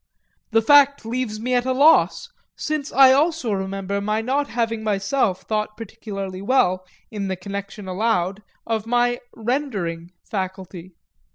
The fact leaves me at a loss, since I also remember my not having myself thought particularly well, in the connection allowed, of my "rendering" faculty.